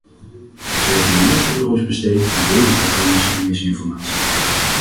Zij heeft miljoenen euro's besteed aan leugencampagnes en misinformatie.